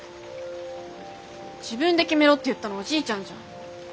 自分で決めろって言ったのおじいちゃんじゃん。